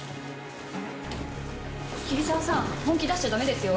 桐沢さん本気出しちゃ駄目ですよ。